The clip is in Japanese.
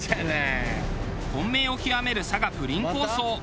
混迷を極める佐賀プリン抗争。